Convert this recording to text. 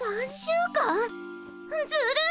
ずるい！